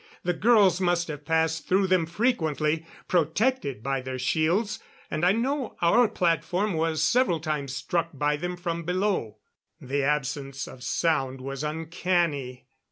The girls must have passed through them frequently, protected by their shields; and I know our platform was several times struck by them from below. The absence of sound was uncanny.